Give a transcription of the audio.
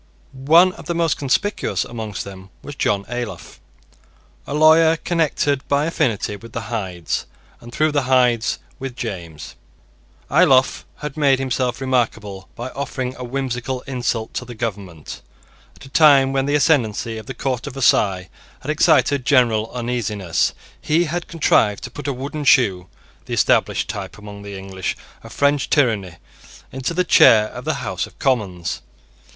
One of the most conspicuous among them was John Ayloffe, a lawyer connected by affinity with the Hydes, and through the Hydes, with James. Ayloffe had early made himself remarkable by offering a whimsical insult to the government. At a time when the ascendancy of the court of Versailles had excited general uneasiness, he had contrived to put a wooden shoe, the established type, among the English, of French tyranny, into the chair of the House of Commons.